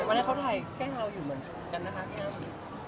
แต่ไว้เข้าไหลแค่เราอยู่เหมือนกันนะคะพี่ย่าง